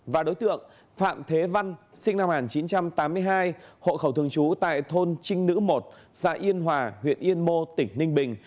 và đối tượng phạm thế văn sinh năm một nghìn chín trăm tám mươi hai hộ khẩu thường trú tại thôn trinh nữ một xã yên hòa huyện yên mô tỉnh ninh bình